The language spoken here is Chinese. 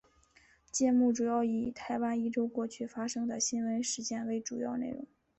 节目主要以台湾一周过去发生的新闻事件为主要内容。